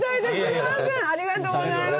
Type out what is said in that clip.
ありがとうございます。